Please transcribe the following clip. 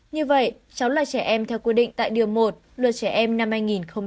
như vậy cháu là trẻ em theo quy định tại điều một luật trẻ em năm hai nghìn một mươi